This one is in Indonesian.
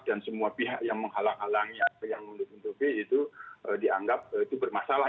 dan semua pihak yang menghalang halangi atau yang menutupi itu dianggap itu bermasalah